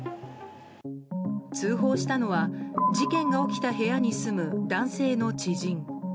通報したのは、事件が起きた部屋に住む男性の知人。